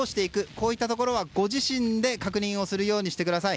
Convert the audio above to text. こういうところはご自身で確認をするようにしてください。